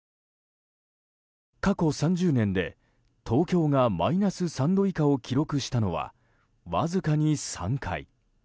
過去３０年で、東京がマイナス３度以下を記録したのはわずかに３回。